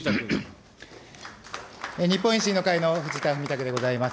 日本維新の会の藤田文武でございます。